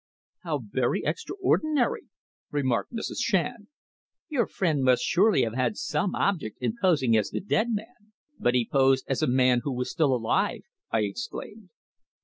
"How very extraordinary," remarked Mrs. Shand. "Your friend must surely have had some object in posing as the dead man." "But he posed as a man who was still alive!" I exclaimed.